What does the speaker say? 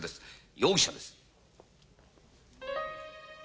容疑者です。